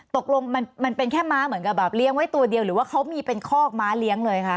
ตกลงมันเป็นแค่ม้าเหมือนกับแบบเลี้ยงไว้ตัวเดียวหรือว่าเขามีเป็นคอกม้าเลี้ยงเลยคะ